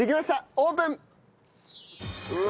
オープン！